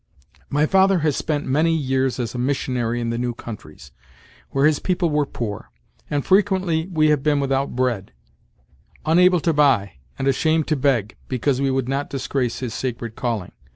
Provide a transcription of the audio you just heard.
My father has spent many years as a missionary in the new countries, where his people were poor, and frequently we have been without bread; unable to buy, and ashamed to beg, because we would not disgrace his sacred calling.